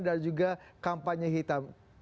ada juga kampanye hitam